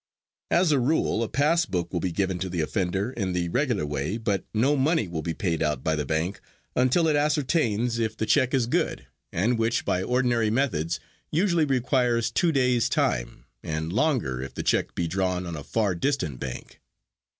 As a rule a pass book will be given to the offender in the regular way, but no money will be paid out by the bank until it ascertains if the check is good, and which, by ordinary methods, usually requires two days' time, and longer if the check be drawn on a far distant bank.